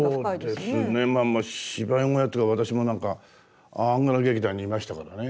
まあ芝居小屋っていうか私もなんかアングラ劇団にいましたからね。